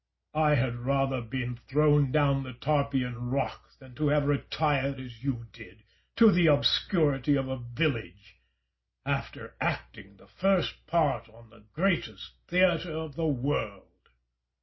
Caesar. I had rather have been thrown down the Tarpeian Rock than have retired, as you did, to the obscurity of a village, after acting the first part on the greatest theatre of the world.